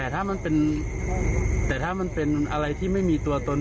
แต่ถ้ามันเป็นอะไรที่ไม่มีตัวตน